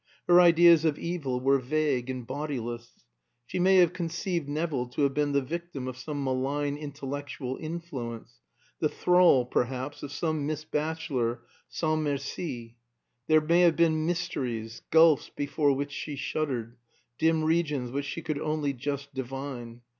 Her ideas of evil were vague and bodiless. She may have conceived Nevill to have been the victim of some malign intellectual influence, the thrall, perhaps, of some Miss Batchelor sans merci. There may have been mysteries, gulfs before which she shuddered, dim regions which she could only just divine.